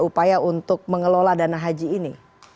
upaya untuk mengelola dana haji ini